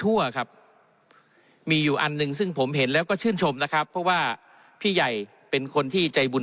วันนึงซึ่งผมเห็นแล้วก็ชื่นชมนะครับเพราะว่าพี่ใหญ่เป็นคนที่ใจบุญ